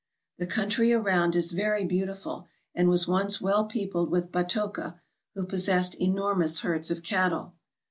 The country around is very beautiful, and was once well peopled with Batoka, who possessed enormous herds of cattle.